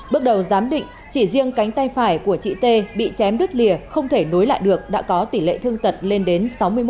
bước đầu giám định chỉ riêng cánh tay phải của chị t bị chém đứt lìa không thể nối lại được đã có tỷ lệ thương tật lên đến sáu mươi một